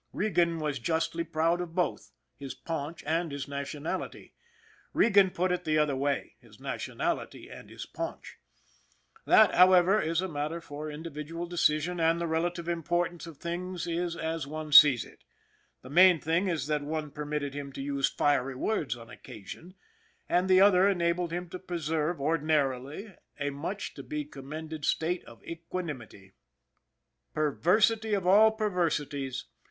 Regan was justly proud of both his paunch and his nationality. Regan put it the other way his nation ality and his paunch. That, however, is a matter for individual decision and the relative importance of things is as one sees it ; the main thing is that one per mitted him to use fiery words on occasion, and the other enabled him to preserve, ordinarily, a much to be commended state of equanimity. Perversity of perversities!